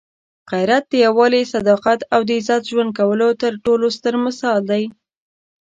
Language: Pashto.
غیرت د یووالي، صداقت او د عزت ژوند کولو تر ټولو ستر مثال دی.